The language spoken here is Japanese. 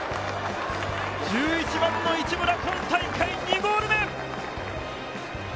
１１番の一村、今大会２ゴール目！